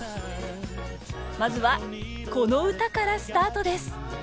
まずはこの歌からスタートです